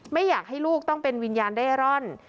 ไม่อยากให้ลูกต้องเป็นวิญญาณเร่ร่อน